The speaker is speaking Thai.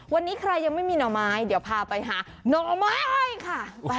วันนี้ใครยังไม่มีหน่อไม้เดี๋ยวพาไปหาหน่อไม้ค่ะ